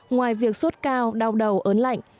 ngoài việc suốt cao đau đầu ớn lạnh